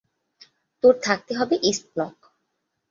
তোর থাকতে হবে ইস্ট ব্লক।